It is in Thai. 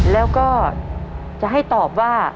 แล้วก็จะให้ตอบว่า